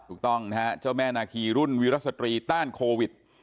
ถูกต้องนะฮะเจ้าแม่นาคีรุ่นวิรสตรีต้านโควิด